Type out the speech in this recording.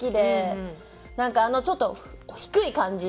なんかあのちょっと低い感じ。